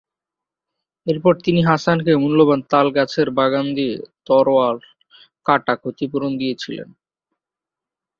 এরপরে তিনি হাসানকে মূল্যবান তাল গাছের বাগান দিয়ে তরোয়াল কাটা ক্ষতিপূরণ দিয়েছিলেন।